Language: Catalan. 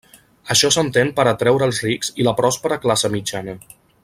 Això s'entén per atraure els rics i la pròspera classe mitjana.